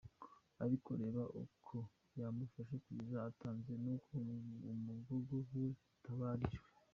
ariko reba uko yamufashe kugeza atanze n’uko umugogo we utabarijwe.